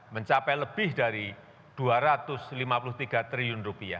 mencapai lebih dari rp dua ratus lima puluh tiga triliun